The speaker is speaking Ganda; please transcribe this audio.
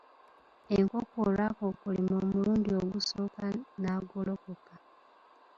Enkoko olwakokolima omulundi ogusooka n'agolokoka.